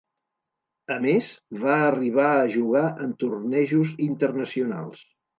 A més, va arribar a jugar en tornejos internacionals.